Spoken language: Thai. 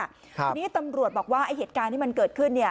ทีนี้ตำรวจบอกว่าไอ้เหตุการณ์ที่มันเกิดขึ้น